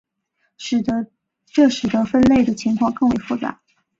这使得分类的情况更为复杂。